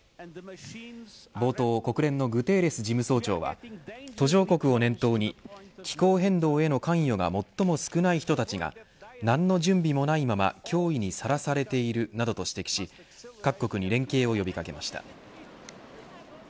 冒頭国連のグテーレス事務総長は途上国を念頭に気候変動への関与が最も少ない人たちが何の準備もないまま脅威にさらされている、などと指摘し各国に連携を呼び掛けました。